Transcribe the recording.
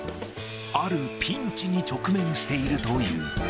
あるピンチに直面しているという。